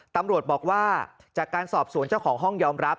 ตำรวจบอกว่าจากการสอบสวนเจ้าของห้องยอมรับ